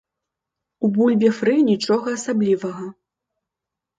У бульбе-фры нічога асаблівага.